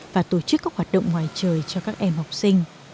và tổ chức các hoạt động ngoài trời cho các em học sinh